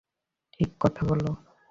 ঠিক কথা বলো।